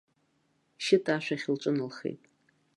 Шьыта ашәахь лҿыналхеит.